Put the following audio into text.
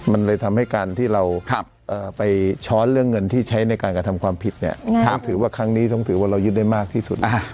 มันเลยทำให้การที่เราไปช้อนเรื่องเงินที่ใช้ในการกระทำความผิดเนี่ยต้องถือว่าครั้งนี้ต้องถือว่าเรายึดได้มากที่สุด